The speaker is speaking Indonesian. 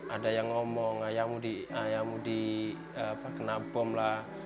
ada yang ngomong ayahmu dikena bom lah